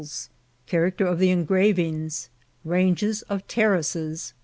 "— Chancter of tk» EDgravingt.— Ranges of Terraces.